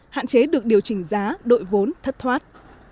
hạn chế được điều chỉnh giá đội vốn thất thoát